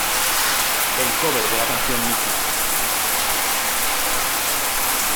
El cover de la canción Mrs.